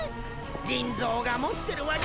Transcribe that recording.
リンゾーが持ってるわけ。